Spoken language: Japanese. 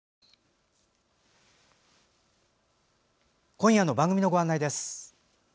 今夜の番組のご案内です。